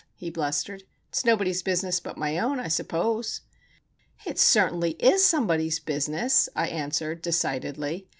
he blustered. "It's nobody's business but my own, I suppose!" "It certainly is somebody's business," I answered, decidedly.